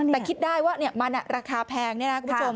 แต่คิดได้ว่ามันราคาแพงนี่นะคุณผู้ชม